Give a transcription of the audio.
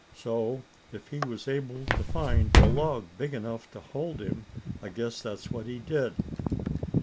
So if he was able to find a log big enough to hold him, I guess that's what he did."